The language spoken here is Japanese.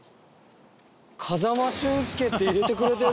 「風間俊介」って入れてくれてる！